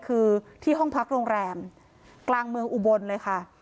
คือที่ห้องพักโรงแรมกลางเมืองอุบลเลยค่ะ